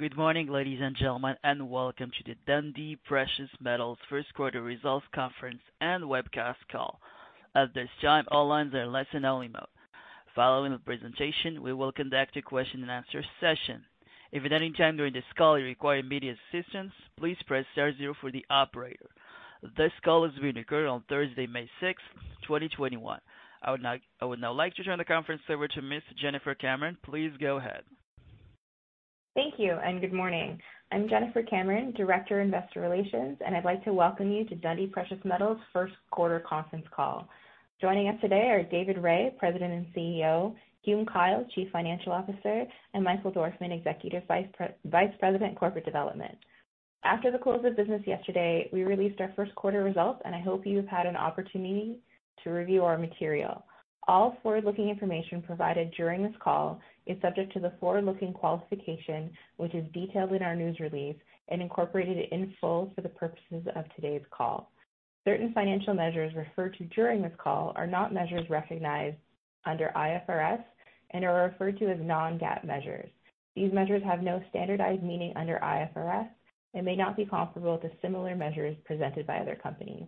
Good morning, ladies and gentlemen, and welcome to the Dundee Precious Metals first quarter results conference and webcast call. I would now like to turn the conference over to Miss Jennifer Cameron. Please go ahead. Thank you, and good morning. I'm Jennifer Cameron, Director of Investor Relations, and I'd like to welcome you to Dundee Precious Metals' first quarter conference call. Joining us today are David Rae, President and CEO, Hume Kyle, Chief Financial Officer, and Michael Dorfman, Executive Vice President, Corporate Development. After the close of business yesterday, we released our first quarter results, and I hope you've had an opportunity to review our material. All forward-looking information provided during this call is subject to the forward-looking qualification, which is detailed in our news release and incorporated in full for the purposes of today's call. Certain financial measures referred to during this call are not measures recognized under IFRS and are referred to as non-GAAP measures. These measures have no standardized meaning under IFRS and may not be comparable to similar measures presented by other companies.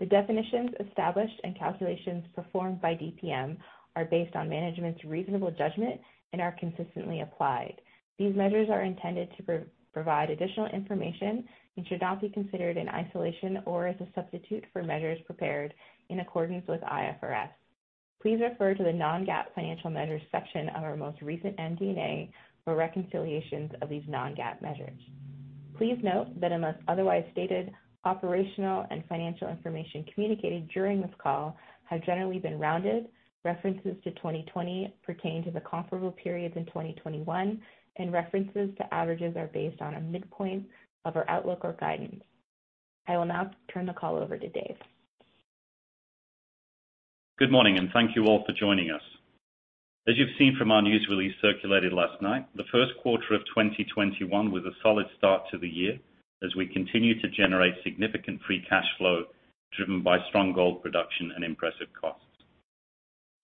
The definitions established and calculations performed by DPM are based on management's reasonable judgment and are consistently applied. These measures are intended to provide additional information and should not be considered in isolation or as a substitute for measures prepared in accordance with IFRS. Please refer to the non-GAAP financial measures section of our most recent MD&A for reconciliations of these non-GAAP measures. Please note that unless otherwise stated, operational and financial information communicated during this call have generally been rounded, references to 2020 pertain to the comparable periods in 2021, and references to averages are based on a midpoint of our outlook or guidance. I will now turn the call over to David. Good morning, and thank you all for joining us. As you've seen from our news release circulated last night, the first quarter of 2021 was a solid start to the year as we continue to generate significant free cash flow, driven by strong gold production and impressive costs.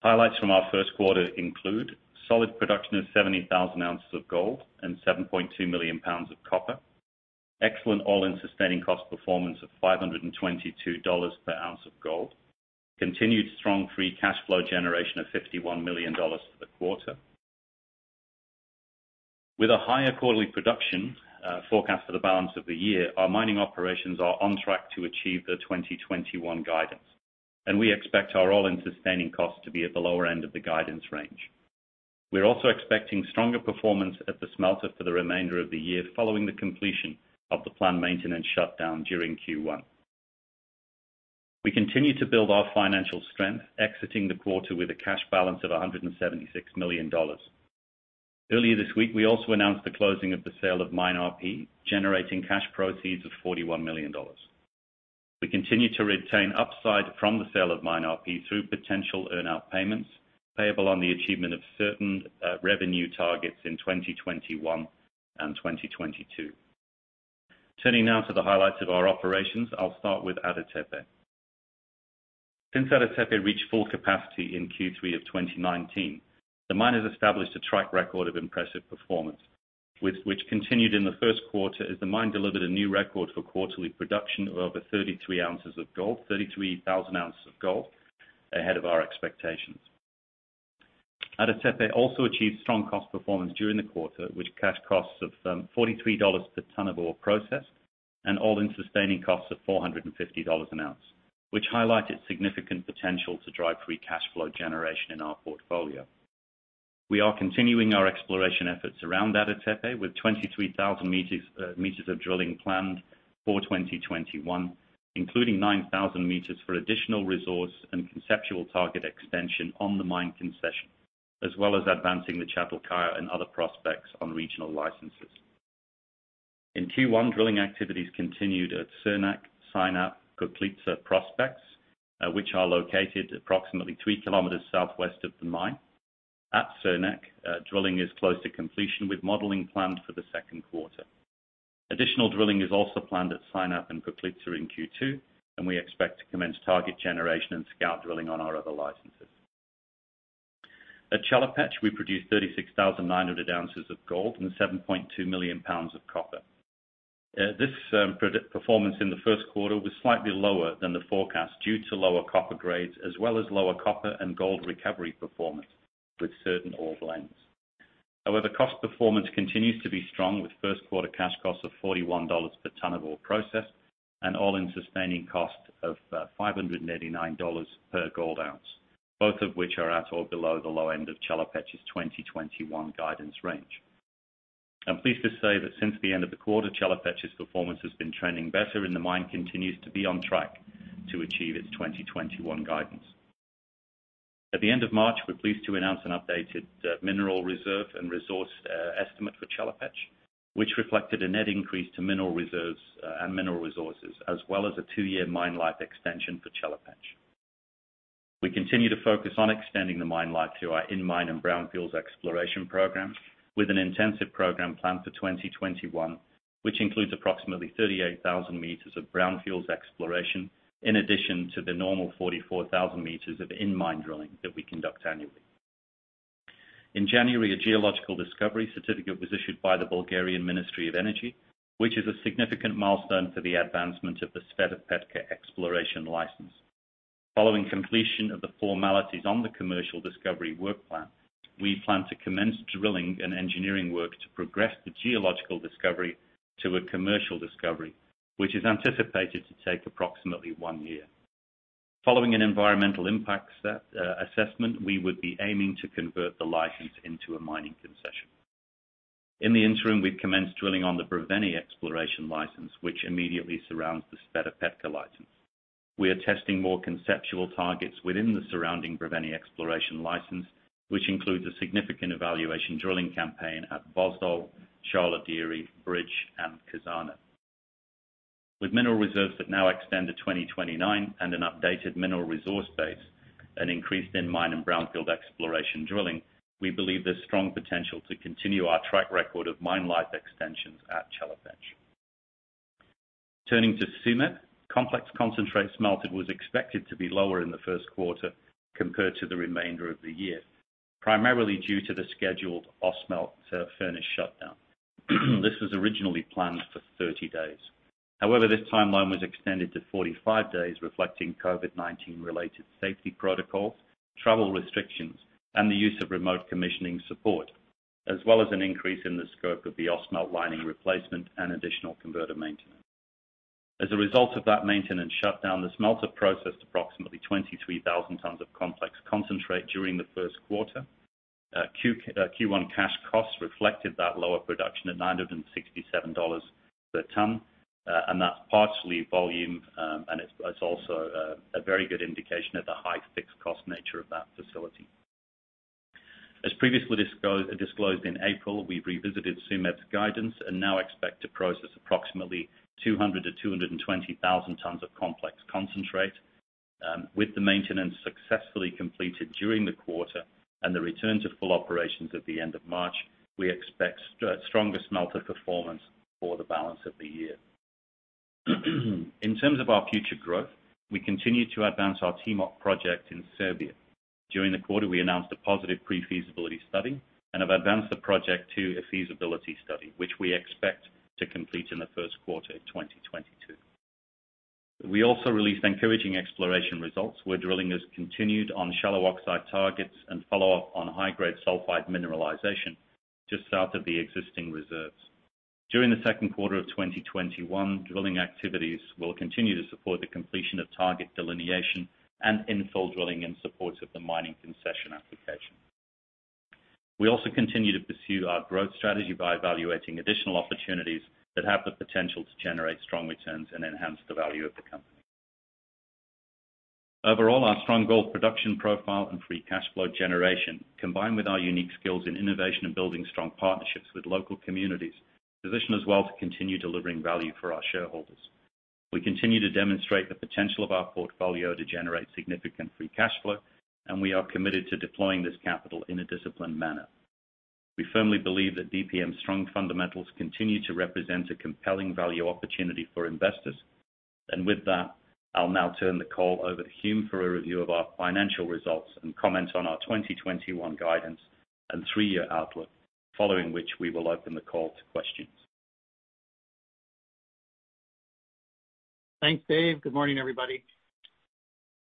Highlights from our first quarter include solid production of 70,000 ounces of gold and 7.2 million pounds of copper, excellent all-in sustaining cost performance of $522 per ounce of gold, continued strong free cash flow generation of $51 million for the quarter. With a higher quarterly production forecast for the balance of the year, our mining operations are on track to achieve their 2021 guidance. We expect our all-in sustaining cost to be at the lower end of the guidance range. We're also expecting stronger performance at the smelter for the remainder of the year, following the completion of the planned maintenance shutdown during Q1. We continue to build our financial strength, exiting the quarter with a cash balance of $176 million. Earlier this week, we also announced the closing of the sale of MineRP, generating cash proceeds of $41 million. We continue to retain upside from the sale of MineRP through potential earn-out payments payable on the achievement of certain revenue targets in 2021 and 2022. Turning now to the highlights of our operations, I'll start with Ada Tepe. Since Ada Tepe reached full capacity in Q3 of 2019, the mine has established a track record of impressive performance, which continued in the first quarter as the mine delivered a new record for quarterly production of over 33,000 ounces of gold, ahead of our expectations. Ada Tepe also achieved strong cost performance during the quarter, with cash costs of $43 per tonne of ore processed and all-in sustaining costs of $450 an ounce, which highlighted significant potential to drive free cash flow generation in our portfolio. We are continuing our exploration efforts around Ada Tepe with 23,000 meters of drilling planned for 2021, including 9,000 meters for additional resource and conceptual target expansion on the mine concession, as well as advancing the Chatal Kaya and other prospects on regional licenses. In Q1, drilling activities continued at Surnak, Synap, Gökliçe prospects, which are located approximately three kilometers southwest of the mine. At Surnak, drilling is close to completion, with modeling planned for the second quarter. Additional drilling is also planned at Synap and Gökliçe in Q2, and we expect to commence target generation and scout drilling on our other licenses. At Chelopech, we produced 36,900 ounces of gold and 7.2 million pounds of copper. This performance in the first quarter was slightly lower than the forecast due to lower copper grades as well as lower copper and gold recovery performance with certain ore blends. However, cost performance continues to be strong with first quarter cash costs of $41 per tonne of ore processed and all-in sustaining cost of $589 per gold ounce, both of which are at or below the low end of Chelopech's 2021 guidance range. I'm pleased to say that since the end of the quarter, Chelopech's performance has been trending better, and the mine continues to be on track to achieve its 2021 guidance. At the end of March, we're pleased to announce an updated mineral reserve and resource estimate for Chelopech, which reflected a net increase to mineral reserves and mineral resources, as well as a two-year mine life extension for Chelopech. We continue to focus on extending the mine life through our in-mine and brownfields exploration program with an intensive program planned for 2021, which includes approximately 38,000 meters of brownfields exploration, in addition to the normal 44,000 meters of in-mine drilling that we conduct annually. In January, a geological discovery certificate was issued by the Bulgarian Ministry of Energy of the Republic of Bulgaria, which is a significant milestone for the advancement of the Sveta Petka exploration license. Following completion of the formalities on the commercial discovery work plan, we plan to commence drilling and engineering work to progress the geological discovery to a commercial discovery, which is anticipated to take approximately one year. Following an environmental impact assessment, we would be aiming to convert the license into a mining concession. In the interim, we've commenced drilling on the Brevene exploration license, which immediately surrounds the Sveta Petka license. We are testing more conceptual targets within the surrounding Brevene exploration license, which includes a significant evaluation drilling campaign at Bozel, Sharlo Dere, Bridge, and Kazana. With mineral reserves that now extend to 2029 and an updated mineral resource base, an increase in mine and brownfield exploration drilling, we believe there's strong potential to continue our track record of mine life extensions at Chelopech. Turning to Tsumeb, complex concentrates smelted was expected to be lower in the first quarter compared to the remainder of the year, primarily due to the scheduled Ausmelt furnace shutdown. This was originally planned for 30 days. However, this timeline was extended to 45 days, reflecting COVID-19 related safety protocols, travel restrictions, and the use of remote commissioning support, as well as an increase in the scope of the Ausmelt lining replacement and additional converter maintenance. As a result of that maintenance shutdown, the smelter processed approximately 23,000 tons of complex concentrate during the first quarter. Q1 cash costs reflected that lower production at $967 per ton. That's partially volume, and it's also a very good indication of the high fixed cost nature of that facility. As previously disclosed in April, we revisited Tsumeb's guidance and now expect to process approximately 200,000 tons-220,000 tons of complex concentrate. With the maintenance successfully completed during the quarter and the return to full operations at the end of March, we expect stronger smelter performance for the balance of the year. In terms of our future growth, we continue to advance our Timok project in Serbia. During the quarter, we announced a positive pre-feasibility study and have advanced the project to a feasibility study, which we expect to complete in the first quarter of 2022. We also released encouraging exploration results, where drilling has continued on shallow oxide targets and follow-up on high-grade sulfide mineralization just south of the existing reserves. During the second quarter of 2021, drilling activities will continue to support the completion of target delineation and infill drilling in support of the mining concession application. We also continue to pursue our growth strategy by evaluating additional opportunities that have the potential to generate strong returns and enhance the value of the company. Overall, our strong gold production profile and free cash flow generation, combined with our unique skills in innovation and building strong partnerships with local communities, position us well to continue delivering value for our shareholders. We continue to demonstrate the potential of our portfolio to generate significant free cash flow, we are committed to deploying this capital in a disciplined manner. We firmly believe that DPM's strong fundamentals continue to represent a compelling value opportunity for investors. With that, I'll now turn the call over to Hume for a review of our financial results and comments on our 2021 guidance and three-year outlook, following which we will open the call to questions. Thanks, Dave. Good morning, everybody.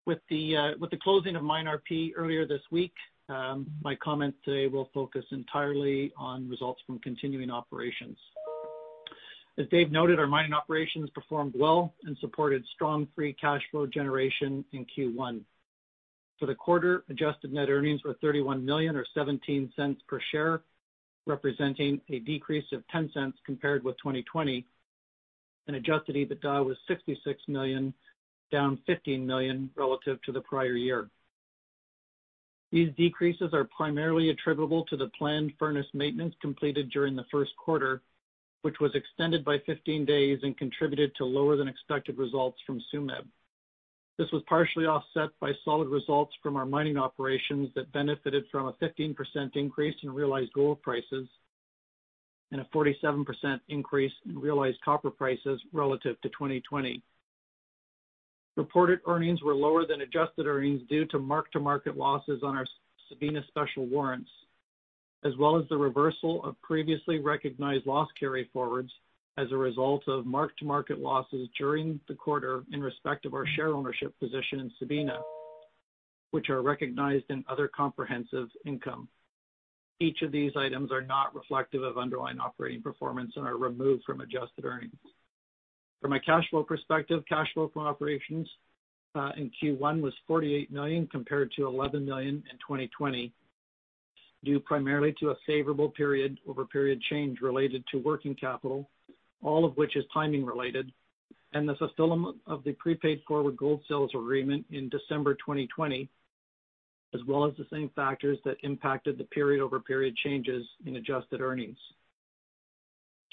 With the closing of MineRP earlier this week, my comments today will focus entirely on results from continuing operations. As Dave noted, our mining operations performed well and supported strong free cash flow generation in Q1. For the quarter, adjusted net earnings were $31 million or $0.17 per share, representing a decrease of $0.10 compared with 2020. Adjusted EBITDA was $66 million, down $15 million relative to the prior year. These decreases are primarily attributable to the planned furnace maintenance completed during the first quarter, which was extended by 15 days and contributed to lower than expected results from Tsumeb. This was partially offset by solid results from our mining operations that benefited from a 15% increase in realized gold prices and a 47% increase in realized copper prices relative to 2020. Reported earnings were lower than adjusted earnings due to mark-to-market losses on our Sabina special warrants, as well as the reversal of previously recognized loss carryforwards as a result of mark-to-market losses during the quarter in respect of our share ownership position in Sabina, which are recognized in other comprehensive income. Each of these items are not reflective of underlying operating performance and are removed from adjusted earnings. From a cash flow perspective, cash flow from operations in Q1 was $48 million compared to $11 million in 2020, due primarily to a favorable period-over-period change related to working capital, all of which is timing related, and the settlement of the prepaid forward gold sales agreement in December 2020, as well as the same factors that impacted the period-over-period changes in adjusted earnings.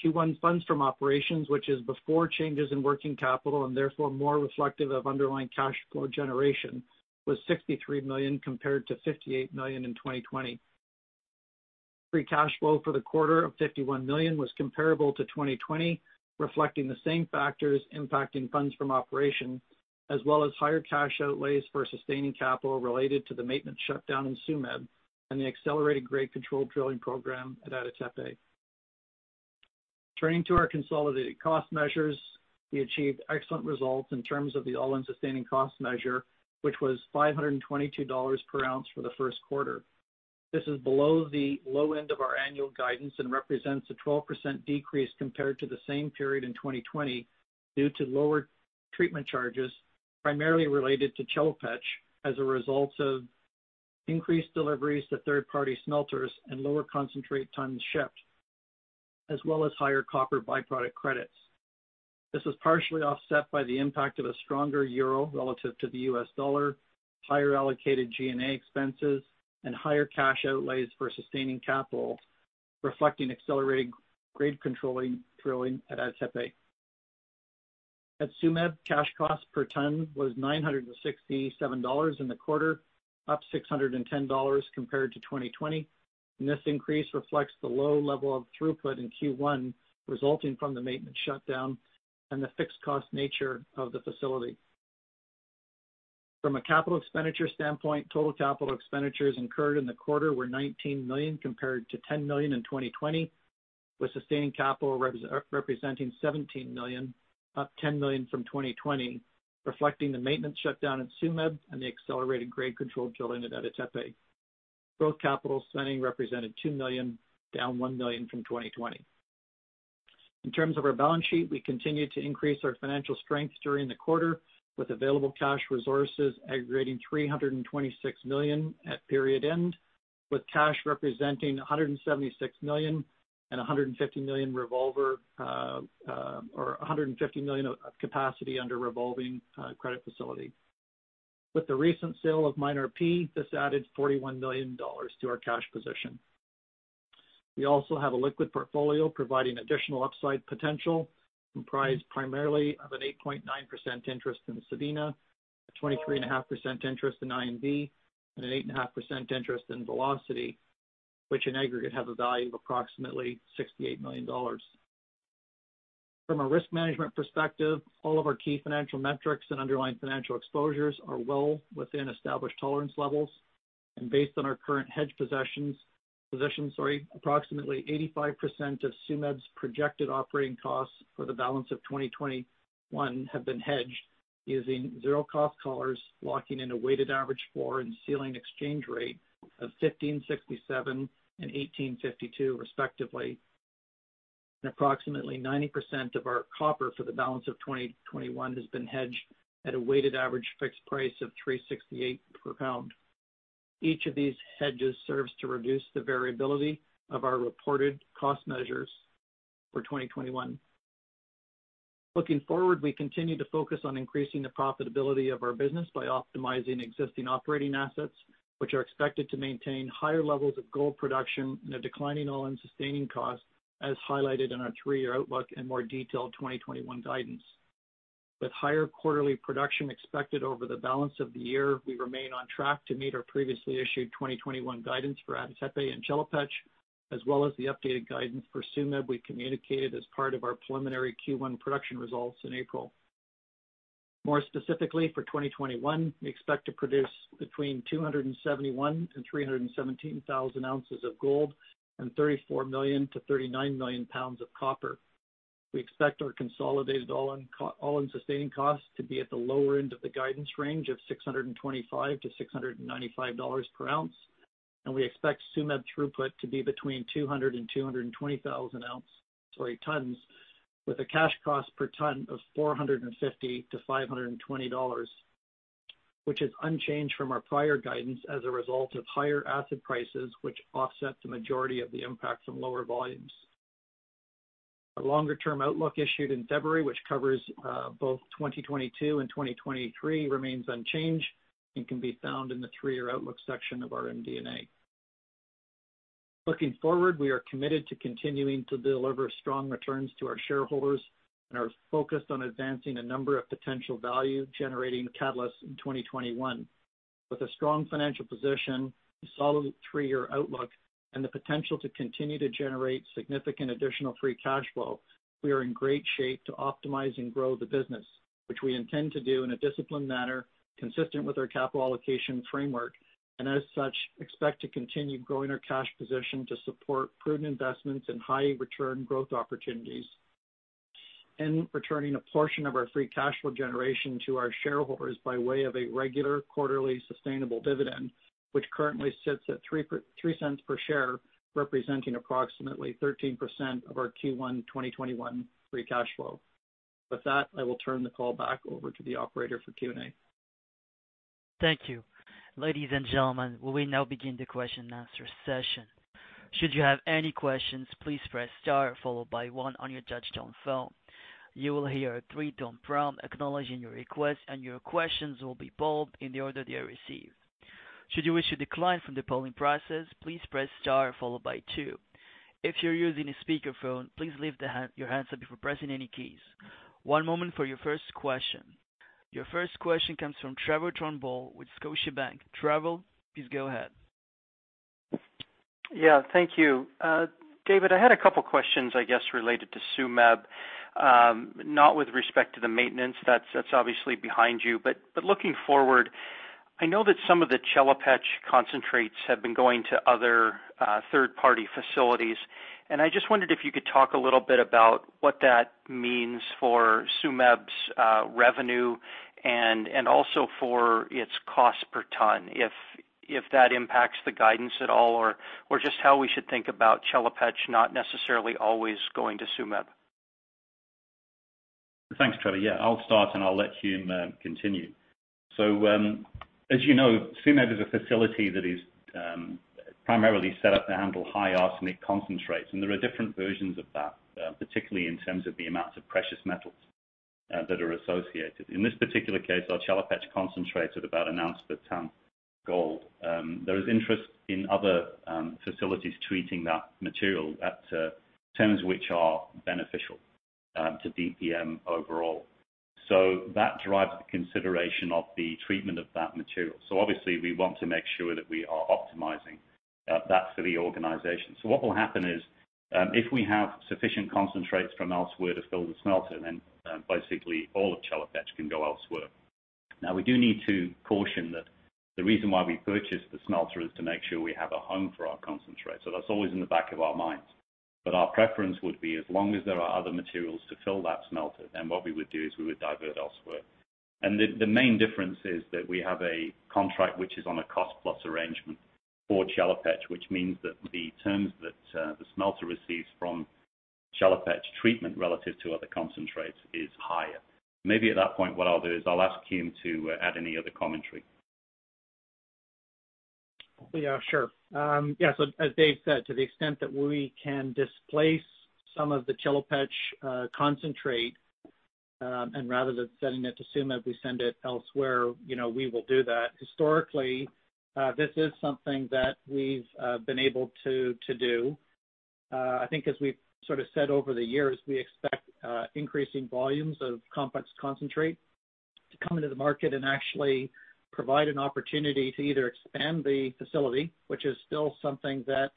Q1 funds from operations, which is before changes in working capital and therefore more reflective of underlying cash flow generation, was $63 million compared to $58 million in 2020. Free cash flow for the quarter of $51 million was comparable to 2020, reflecting the same factors impacting funds from operations, as well as higher cash outlays for sustaining capital related to the maintenance shutdown in Tsumeb and the accelerated grade control drilling program at Ada Tepe. Turning to our consolidated cost measures, we achieved excellent results in terms of the all-in sustaining cost measure, which was $522 per ounce for the first quarter. This is below the low end of our annual guidance and represents a 12% decrease compared to the same period in 2020 due to lower treatment charges, primarily related to Chelopech as a result of increased deliveries to third-party smelters and lower concentrate tons shipped, as well as higher copper byproduct credits. This is partially offset by the impact of a stronger euro relative to the U.S. dollar, higher allocated G&A expenses, and higher cash outlays for sustaining capital, reflecting accelerated grade controlling drilling at Ada Tepe. At Tsumeb, cash cost per ton was $967 in the quarter, up $610 compared to 2020. This increase reflects the low level of throughput in Q1 resulting from the maintenance shutdown and the fixed cost nature of the facility. From a capital expenditure standpoint, total capital expenditures incurred in the quarter were $19 million compared to $10 million in 2020, with sustaining capital representing $17 million, up $10 million from 2020, reflecting the maintenance shutdown at Tsumeb and the accelerated grade control drilling at Ada Tepe. Growth capital spending represented $2 million, down $1 million from 2020. In terms of our balance sheet, we continued to increase our financial strength during the quarter, with available cash resources aggregating $326 million at period end, with cash representing $176 million and $150 million capacity under revolving credit facility. With the recent sale of MineRP, this added $41 million to our cash position. We also have a liquid portfolio providing additional upside potential, comprised primarily of an 8.9% interest in Sabina, a 23.5% interest in INV, and an 8.5% interest in Velocity, which in aggregate have a value of approximately $68 million. From a risk management perspective, all of our key financial metrics and underlying financial exposures are well within established tolerance levels. Based on our current hedge positions, approximately 85% of Tsumeb's projected operating costs for the balance of 2021 have been hedged using zero-cost collars, locking in a weighted average floor and ceiling exchange rate of 15.67 and 18.52 respectively. Approximately 90% of our copper for the balance of 2021 has been hedged at a weighted average fixed price of $3.68 per pound. Each of these hedges serves to reduce the variability of our reported cost measures for 2021. Looking forward, we continue to focus on increasing the profitability of our business by optimizing existing operating assets, which are expected to maintain higher levels of gold production and a declining all-in sustaining cost, as highlighted in our three-year outlook and more detailed 2021 guidance. With higher quarterly production expected over the balance of the year, we remain on track to meet our previously issued 2021 guidance for Ada Tepe and Chelopech, as well as the updated guidance for Tsumeb we communicated as part of our preliminary Q1 production results in April. More specifically, for 2021, we expect to produce between 271,000 and 317,000 ounces of gold and 34 million-39 million pounds of copper. We expect our consolidated all-in sustaining costs to be at the lower end of the guidance range of $625-$695 per ounce, and we expect Tsumeb throughput to be between 200,000 and 220,000 tons, with a cash cost per ton of $450-$520, which is unchanged from our prior guidance as a result of higher asset prices, which offset the majority of the impacts from lower volumes. Our longer-term outlook issued in February, which covers both 2022 and 2023, remains unchanged and can be found in the three-year outlook section of our MD&A. Looking forward, we are committed to continuing to deliver strong returns to our shareholders and are focused on advancing a number of potential value-generating catalysts in 2021. With a strong financial position, a solid three-year outlook, and the potential to continue to generate significant additional free cash flow, we are in great shape to optimize and grow the business, which we intend to do in a disciplined manner consistent with our capital allocation framework, and as such, expect to continue growing our cash position to support prudent investments in high-return growth opportunities and returning a portion of our free cash flow generation to our shareholders by way of a regular quarterly sustainable dividend, which currently sits at $0.03 per share, representing approximately 13% of our Q1 2021 free cash flow. With that, I will turn the call back over to the operator for Q&A. Thank you. Ladies and gentlemen, we will now begin the question and answer session. Should you have any questions, please press star followed by one on your touchtone phone. You will hear a three-tone prompt acknowledging your request, and your questions will be polled in the order they are received. Should you wish to decline from the polling process, please press star followed by two. If you're using a speakerphone, please leave your handset before pressing any keys. One moment for your first question. Your first question comes from Trevor Turnbull with Scotiabank. Trevor, please go ahead. Yeah, thank you. David, I had a couple questions, I guess, related to Tsumeb, not with respect to the maintenance. That's obviously behind you. Looking forward, I know that some of the Chelopech concentrates have been going to other third-party facilities, and I just wondered if you could talk a little bit about what that means for Tsumeb's revenue and also for its cost per ton, if that impacts the guidance at all, or just how we should think about Chelopech not necessarily always going to Tsumeb. Thanks, Trevor. Yeah, I'll start, and I'll let Hume continue. As you know, Tsumeb is a facility that is primarily set up to handle high arsenic concentrates, and there are different versions of that, particularly in terms of the amounts of precious metals that are associated. In this particular case, our Chelopech concentrate at about an ounce per ton gold. There is interest in other facilities treating that material at terms which are beneficial to DPM overall. That drives the consideration of the treatment of that material. Obviously, we want to make sure that we are optimizing that for the organization. What will happen is, if we have sufficient concentrates from elsewhere to fill the smelter, then basically all of Chelopech can go elsewhere. We do need to caution that the reason why we purchased the smelter is to make sure we have a home for our concentrate. That's always in the back of our minds. Our preference would be, as long as there are other materials to fill that smelter, then what we would do is we would divert elsewhere. The main difference is that we have a contract which is on a cost-plus arrangement for Chelopech, which means that the terms that the smelter receives from Chelopech treatment relative to other concentrates is higher. Maybe at that point, what I'll do is I'll ask Hume to add any other commentary. Yeah, sure. Yeah, as Dave said, to the extent that we can displace some of the Chelopech concentrate, and rather than sending it to Tsumeb, we send it elsewhere, we will do that. Historically, this is something that we've been able to do. I think as we've sort of said over the years, we expect increasing volumes of complex concentrate to come into the market and actually provide an opportunity to either expand the facility, which is still something that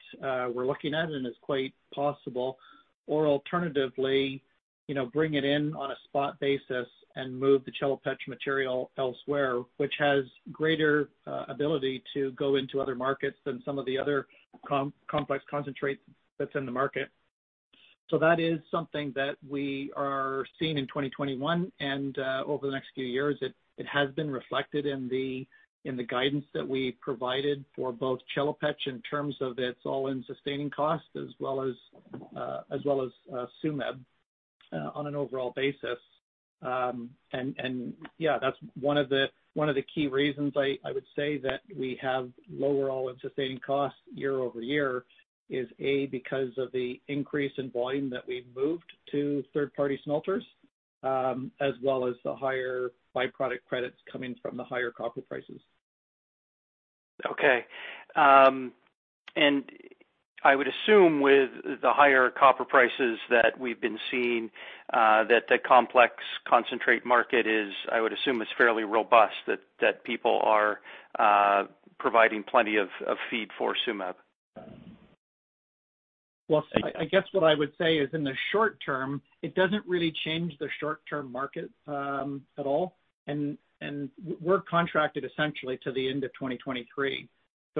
we're looking at and is quite possible. Or alternatively, bring it in on a spot basis and move the Chelopech material elsewhere, which has greater ability to go into other markets than some of the other complex concentrate that's in the market. That is something that we are seeing in 2021 and over the next few years. It has been reflected in the guidance that we provided for both Chelopech in terms of its all-in sustaining cost, as well as Tsumeb on an overall basis. Yeah, that's one of the key reasons I would say that we have lower all-in sustaining costs year-over-year is, A, because of the increase in volume that we've moved to third-party smelters, as well as the higher by-product credits coming from the higher copper prices. Okay. I would assume with the higher copper prices that we've been seeing, that the complex concentrate market is, I would assume, is fairly robust, that people are providing plenty of feed for Tsumeb. Well, I guess what I would say is in the short term, it doesn't really change the short-term market at all. We're contracted essentially to the end of 2023.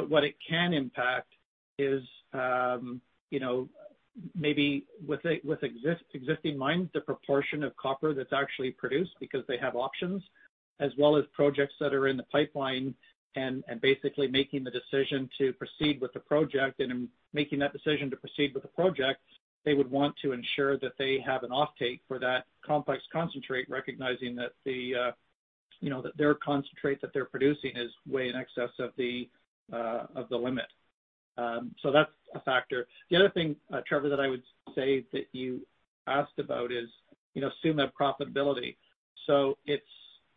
What it can impact is maybe with existing mines, the proportion of copper that's actually produced because they have options, as well as projects that are in the pipeline and basically making the decision to proceed with the project. In making that decision to proceed with the project, they would want to ensure that they have an offtake for that complex concentrate, recognizing that their concentrate that they're producing is way in excess of the limit. That's a factor. The other thing, Trevor, that I would say that you asked about is Tsumeb profitability.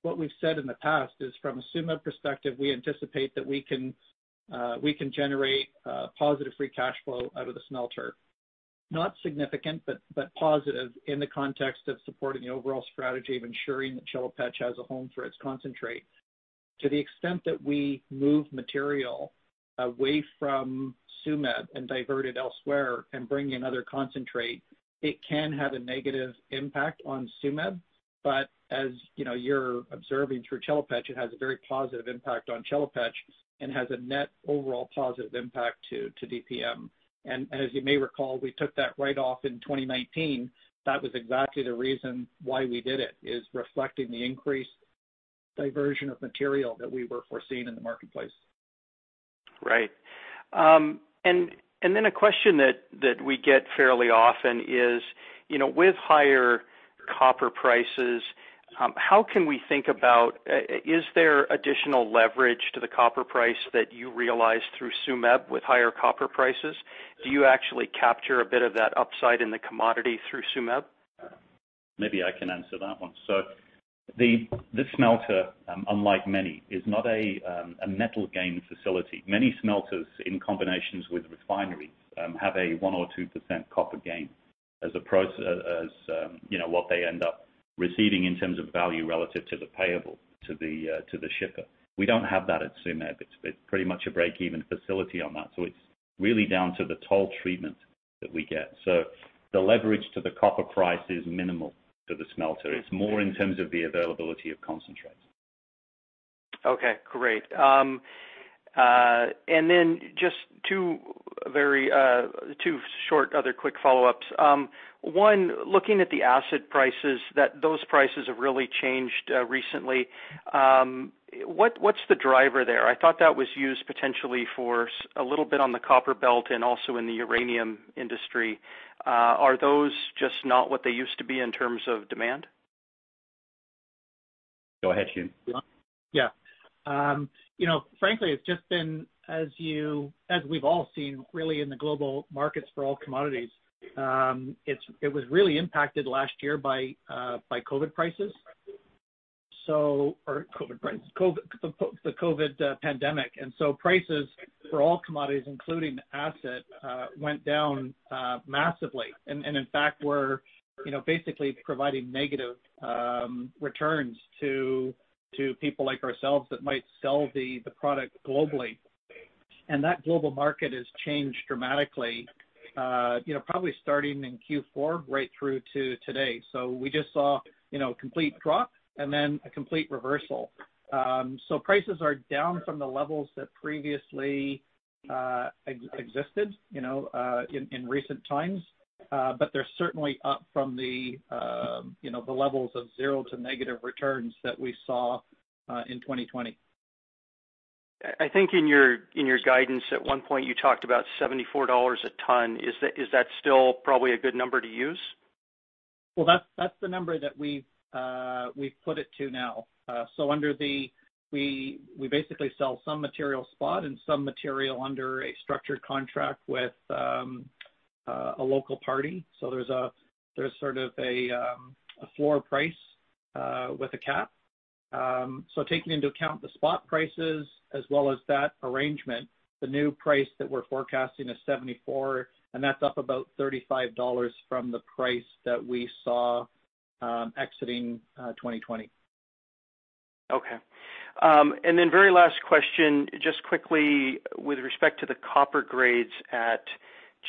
What we've said in the past is from a Tsumeb perspective, we anticipate that we can generate positive free cash flow out of the smelter. Not significant, but positive in the context of supporting the overall strategy of ensuring that Chelopech has a home for its concentrate. To the extent that we move material away from Tsumeb and divert it elsewhere and bring in other concentrate, it can have a negative impact on Tsumeb. As you're observing through Chelopech, it has a very positive impact on Chelopech and has a net overall positive impact to DPM. As you may recall, we took that right off in 2019. That was exactly the reason why we did it, is reflecting the increased diversion of material that we were foreseeing in the marketplace. Right. A question that we get fairly often is, with higher copper prices, how can we think about, is there additional leverage to the copper price that you realize through Tsumeb with higher copper prices? Do you actually capture a bit of that upside in the commodity through Tsumeb? Maybe I can answer that one. The smelter, unlike many, is not a metal gain facility. Many smelters, in combinations with refineries, have a 1% or 2% copper gain as a process, what they end up receiving in terms of value relative to the payable to the shipper. We don't have that at Tsumeb. It's pretty much a break-even facility on that. It's really down to the toll treatment that we get. The leverage to the copper price is minimal to the smelter. It's more in terms of the availability of concentrates. Okay, great. Just two short other quick follow-ups. One, looking at the acid prices, those prices have really changed recently. What's the driver there? I thought that was used potentially for a little bit on the copper belt and also in the uranium industry. Are those just not what they used to be in terms of demand? Go ahead, Hume. Frankly, it's just been, as we've all seen really in the global markets for all commodities, it was really impacted last year by the COVID pandemic. Prices for all commodities, including acid, went down massively. In fact, were basically providing negative returns to people like ourselves that might sell the product globally. That global market has changed dramatically, probably starting in Q4 right through to today. We just saw a complete drop and then a complete reversal. Prices are down from the levels that previously existed in recent times. They're certainly up from the levels of zero to negative returns that we saw in 2020. I think in your guidance at one point, you talked about $74 a ton. Is that still probably a good number to use? Well, that's the number that we've put it to now. We basically sell some material spot and some material under a structured contract with a local party. There's sort of a floor price with a cap. Taking into account the spot prices as well as that arrangement, the new price that we're forecasting is $74, and that's up about $35 from the price that we saw exiting 2020. Okay. Very last question, just quickly with respect to the copper grades at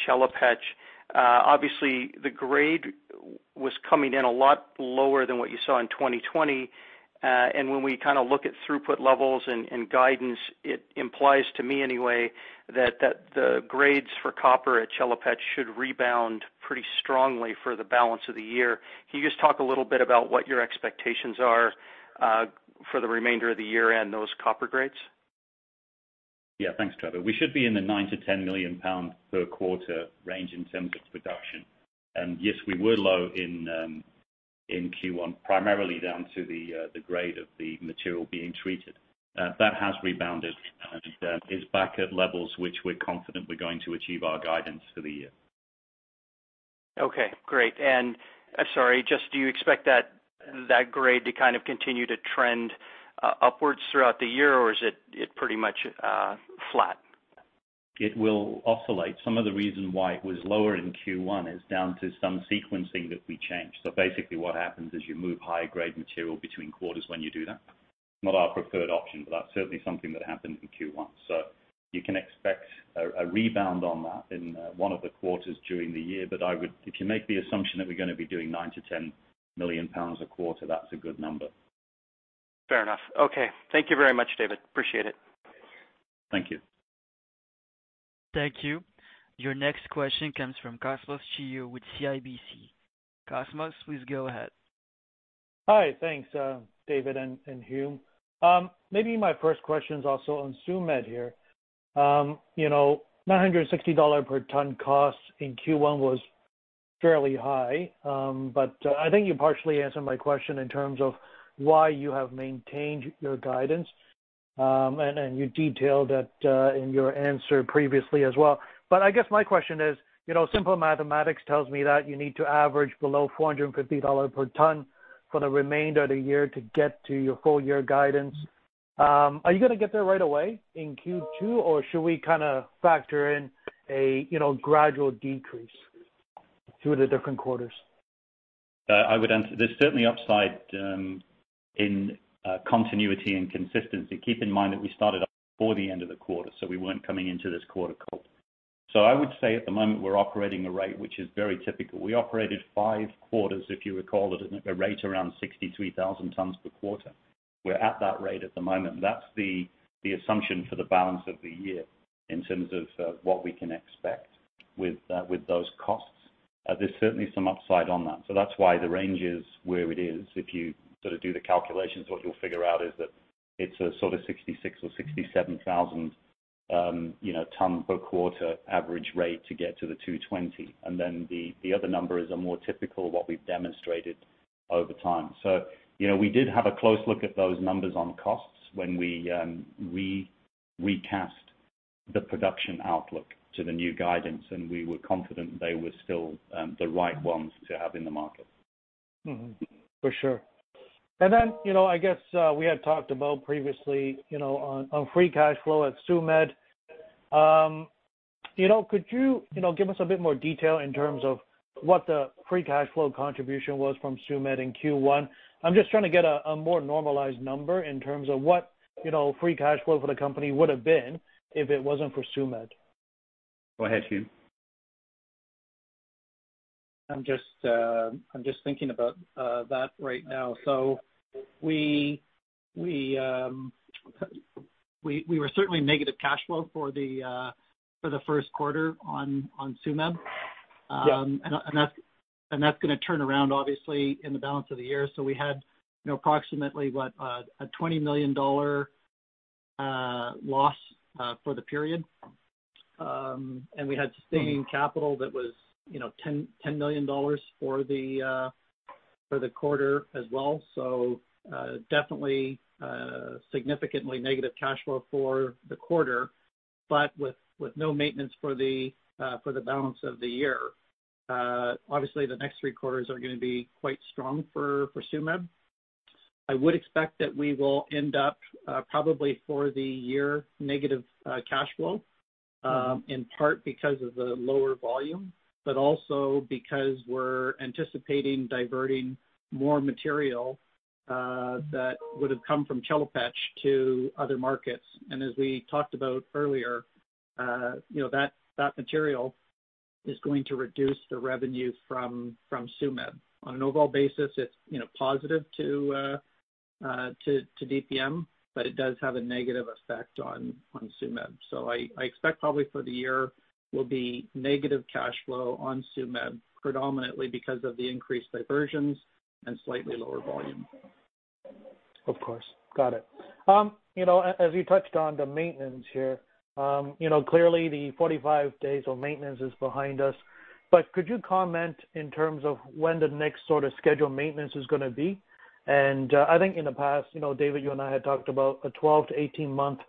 Chelopech. Obviously, the grade was coming in a lot lower than what you saw in 2020. When we look at throughput levels and guidance, it implies to me anyway, that the grades for copper at Chelopech should rebound pretty strongly for the balance of the year. Can you just talk a little bit about what your expectations are for the remainder of the year and those copper grades? Thanks, Trevor. We should be in the nine to 10 million pound per quarter range in terms of production. Yes, we were low in Q1, primarily down to the grade of the material being treated. That has rebounded and is back at levels which we're confident we're going to achieve our guidance for the year. Okay, great. Sorry, just do you expect that grade to kind of continue to trend upwards throughout the year, or is it pretty much flat? It will oscillate. Some of the reason why it was lower in Q1 is down to some sequencing that we changed. Basically what happens is you move higher grade material between quarters when you do that. Not our preferred option, that's certainly something that happened in Q1. You can expect a rebound on that in one of the quarters during the year. If you make the assumption that we're going to be doing nine to 10 million pounds a quarter, that's a good number. Fair enough. Okay. Thank you very much, David. Appreciate it. Thank you. Thank you. Your next question comes from Cosmos Chiu with CIBC. Cosmos, please go ahead. Hi. Thanks, David and Hume. Maybe my first question is also on Tsumeb here. $960 per ton cost in Q1 was fairly high. I think you partially answered my question in terms of why you have maintained your guidance, and you detailed that in your answer previously as well. I guess my question is, simple mathematics tells me that you need to average below $450 per ton for the remainder of the year to get to your full year guidance. Are you going to get there right away in Q2, or should we factor in a gradual decrease through the different quarters? There's certainly upside in continuity and consistency. Keep in mind that we started up before the end of the quarter, so we weren't coming into this quarter cold. I would say at the moment we're operating a rate which is very typical. We operated five quarters, if you recall, at a rate around 63,000 tons per quarter. We're at that rate at the moment. That's the assumption for the balance of the year in terms of what we can expect with those costs. There's certainly some upside on that. That's why the range is where it is. If you do the calculations, what you'll figure out is that it's a sort of 66,000 or 67,000 ton per quarter average rate to get to the 220. The other numbers are more typical of what we've demonstrated over time. We did have a close look at those numbers on costs when we recast the production outlook to the new guidance, and we were confident they were still the right ones to have in the market. For sure. I guess, we had talked about previously on free cash flow at Tsumeb. Could you give us a bit more detail in terms of what the free cash flow contribution was from Tsumeb in Q1? I'm just trying to get a more normalized number in terms of what free cash flow for the company would've been if it wasn't for Tsumeb. Go ahead, Hume. I'm just thinking about that right now. We were certainly negative cash flow for the first quarter on Tsumeb. Yeah. That's going to turn around, obviously, in the balance of the year. We had approximately, what, a $20 million loss for the period. We had sustaining capital that was $10 million for the quarter as well. Definitely significantly negative cash flow for the quarter, but with no maintenance for the balance of the year. Obviously, the next three quarters are going to be quite strong for Tsumeb. I would expect that we will end up, probably for the year, negative cash flow, in part because of the lower volume, but also because we're anticipating diverting more material that would've come from Chelopech to other markets. As we talked about earlier, that material is going to reduce the revenue from Tsumeb. On an overall basis, it's positive to DPM, but it does have a negative effect on Tsumeb. I expect probably for the year will be negative cash flow on Tsumeb, predominantly because of the increased diversions and slightly lower volume. Of course. Got it. As you touched on the maintenance here, clearly the 45 days of maintenance is behind us, but could you comment in terms of when the next sort of scheduled maintenance is going to be? I think in the past, David, you and I had talked about a 12-18 month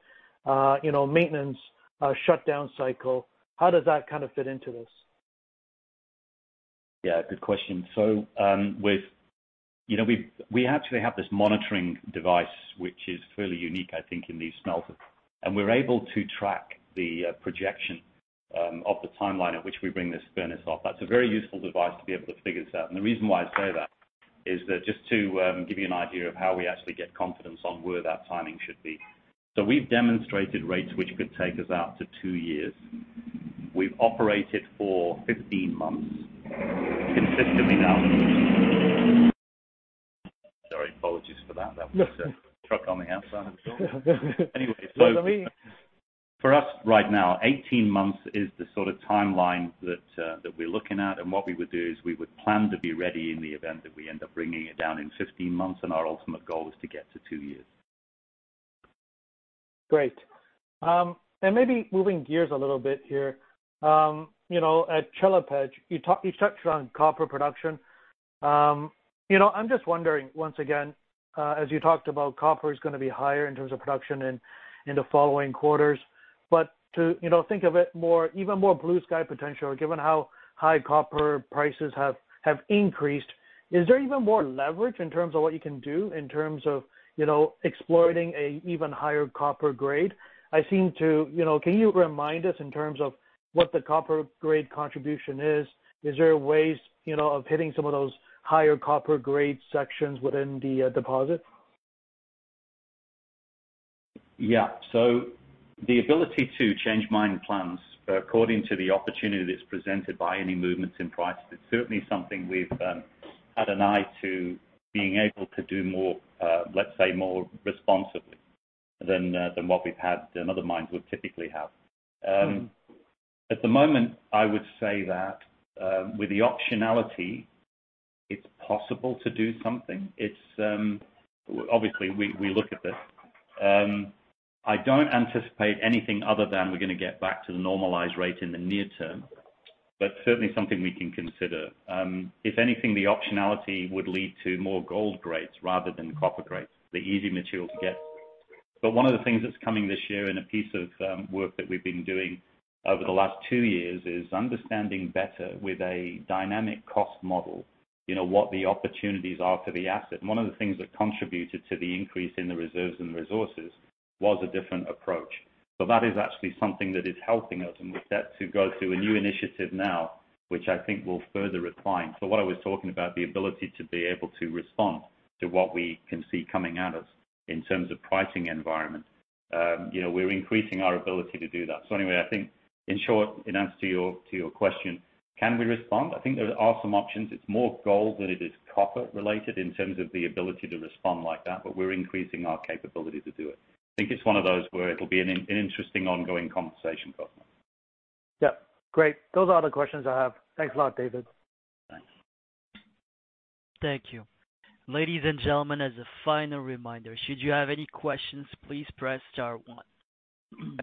maintenance shutdown cycle. How does that kind of fit into this? Yeah, good question. We actually have this monitoring device, which is fairly unique, I think, in these smelters, and we're able to track the projection of the timeline at which we bring this furnace off. That's a very useful device to be able to figure this out. The reason why I say that is that just to give you an idea of how we actually get confidence on where that timing should be. We've demonstrated rates which could take us out to two years. We've operated for 15 months consistently now. Sorry, apologies for that. That was a truck on the outside of the building. No worry. Anyway, for us right now, 18 months is the sort of timeline that we're looking at. What we would do is we would plan to be ready in the event that we end up bringing it down in 15 months, and our ultimate goal is to get to two years. Great. Maybe moving gears a little bit here. At Chelopech, you touched on copper production. I'm just wondering, once again, as you talked about copper's going to be higher in terms of production in the following quarters, but to think of it even more blue-sky potential, given how high copper prices have increased, is there even more leverage in terms of what you can do in terms of exploiting a even higher copper grade? Can you remind us in terms of what the copper grade contribution is? Is there ways of hitting some of those higher copper grade sections within the deposit? Yeah. The ability to change mine plans according to the opportunity that's presented by any movements in prices, it's certainly something we've had an eye to being able to do more, let's say more responsibly than other mines would typically have. At the moment, I would say that with the optionality, it's possible to do something. Obviously, we look at this. I don't anticipate anything other than we're going to get back to the normalized rate in the near term, but certainly something we can consider. If anything, the optionality would lead to more gold grades rather than copper grades, the easy material to get. One of the things that's coming this year in a piece of work that we've been doing over the last two years is understanding better with a dynamic cost model, what the opportunities are for the asset. One of the things that contributed to the increase in the reserves and resources was a different approach. That is actually something that is helping us, and we're set to go through a new initiative now, which I think will further refine. What I was talking about, the ability to be able to respond to what we can see coming at us in terms of pricing environment. We're increasing our ability to do that. I think in short, in answer to your question, can we respond? I think there are some options. It's more gold than it is copper related in terms of the ability to respond like that, but we're increasing our capability to do it. I think it's one of those where it'll be an interesting ongoing conversation for us. Yeah. Great. Those are all the questions I have. Thanks a lot, David. Thanks. Thank you. Ladies and gentlemen, as a final reminder, should you have any questions, please press star one.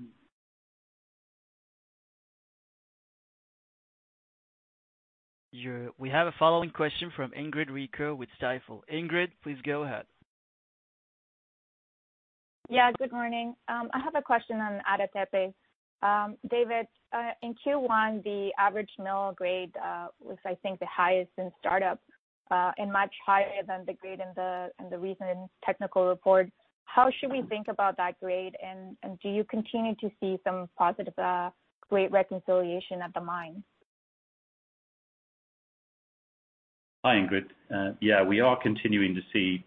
We have a following question from Ingrid Rico with Stifel. Ingrid, please go ahead. Yeah. Good morning. I have a question on Ada Tepe. David, in Q1, the average mill grade was, I think, the highest since startup, and much higher than the grade in the recent technical report. How should we think about that grade, and do you continue to see some positive grade reconciliation at the mine? Hi, Ingrid. Yeah, we are continuing to see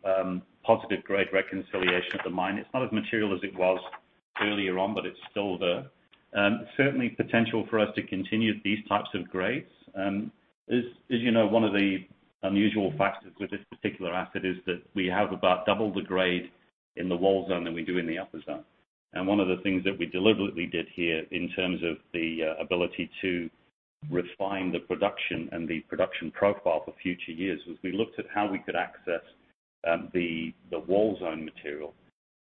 positive grade reconciliation at the mine. It's not as material as it was earlier on, but it's still there. Certainly potential for us to continue these types of grades. As you know, one of the unusual factors with this particular asset is that we have about double the grade in the wall zone than we do in the upper zone. One of the things that we deliberately did here, in terms of the ability to refine the production and the production profile for future years, was we looked at how we could access the wall zone material.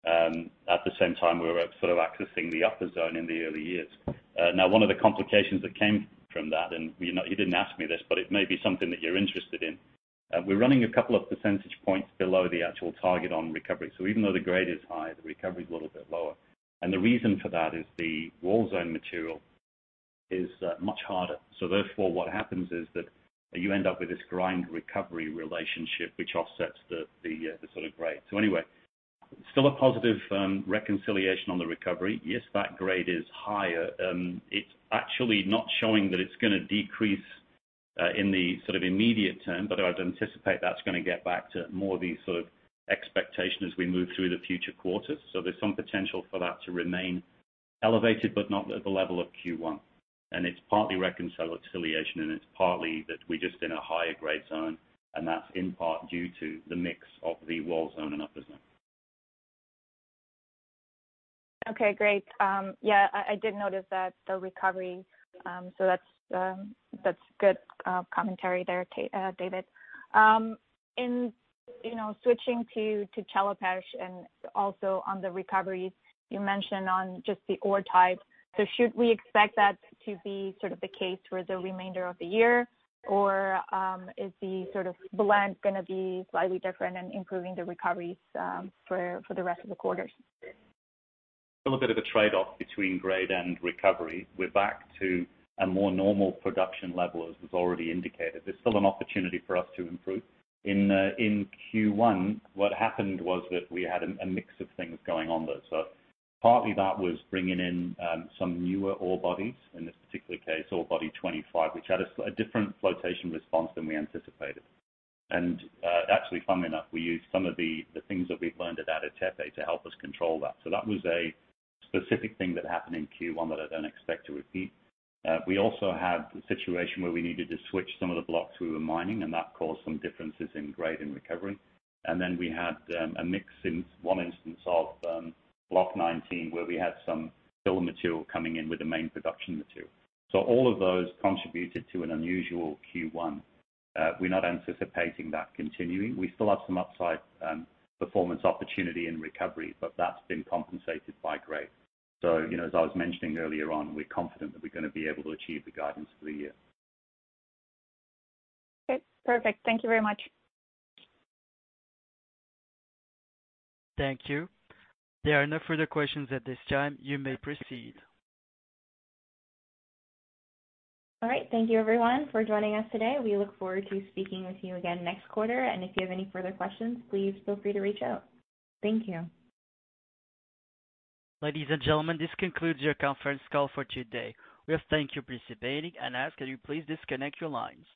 At the same time, we were sort of accessing the upper zone in the early years. One of the complications that came from that, and you didn't ask me this, but it may be something that you're interested in. We're running a couple of percentage points below the actual target on recovery. Even though the grade is high, the recovery's a little bit lower. The reason for that is the wall zone material is much harder. Therefore, what happens is that you end up with this grind recovery relationship, which offsets the sort of grade. Anyway, still a positive reconciliation on the recovery. Yes, that grade is higher. It's actually not showing that it's gonna decrease in the immediate term, but I would anticipate that's gonna get back to more the sort of expectation as we move through the future quarters. There's some potential for that to remain elevated, but not at the level of Q1. It's partly reconciliation, and it's partly that we're just in a higher grade zone, and that's in part due to the mix of the wall zone and upper zone. Okay, great. Yeah, I did notice that, the recovery, so that's good commentary there, David. Switching to Chelopech and also on the recoveries you mentioned on just the ore type. Should we expect that to be sort of the case for the remainder of the year, or is the sort of blend going to be slightly different and improving the recoveries for the rest of the quarters? Still a bit of a trade-off between grade and recovery. We're back to a more normal production level, as was already indicated. There's still an opportunity for us to improve. In Q1, what happened was that we had a mix of things going on there. Partly that was bringing in some newer ore bodies, in this particular case, ore body 25, which had a different flotation response than we anticipated. Actually, funnily enough, we used some of the things that we've learned at Ada Tepe to help us control that. That was a specific thing that happened in Q1 that I don't expect to repeat. We also had a situation where we needed to switch some of the blocks we were mining, and that caused some differences in grade and recovery. We had a mix in one instance of block 19, where we had some fill material coming in with the main production material. All of those contributed to an unusual Q1. We're not anticipating that continuing. We still have some upside performance opportunity in recovery, but that's been compensated by grade. As I was mentioning earlier on, we're confident that we're gonna be able to achieve the guidance for the year. Okay, perfect. Thank you very much. Thank you. There are no further questions at this time. You may proceed. All right. Thank you everyone for joining us today. We look forward to speaking with you again next quarter, and if you have any further questions, please feel free to reach out. Thank you. Ladies and gentlemen, this concludes your conference call for today. We thank you for participating and ask that you please disconnect your lines.